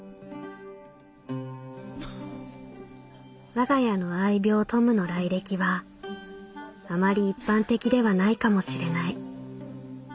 「我が家の愛猫トムの来歴はあまり一般的ではないかもしれない」。